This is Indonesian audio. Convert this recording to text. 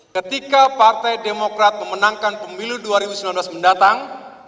ketika partai demokrat memenangkan pemilu dua ribu sembilan belas mendatang